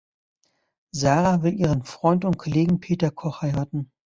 Sara will ihren Freund und Kollegen Peter Koch heiraten.